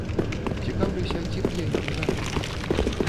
Цікаўлюся, ці п'е ён гарэлку.